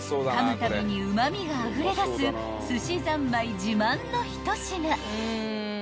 かむたびにうま味があふれ出すすしざんまい自慢の一品］